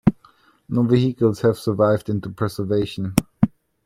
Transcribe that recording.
No vehicles have survived into preservation.